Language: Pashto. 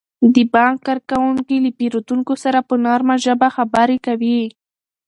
د بانک کارکوونکي له پیرودونکو سره په نرمه ژبه خبرې کوي.